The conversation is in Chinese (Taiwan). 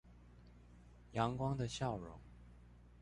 陽光的笑容